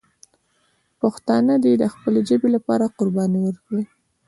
پښتانه دې د خپلې ژبې لپاره قرباني ورکړي.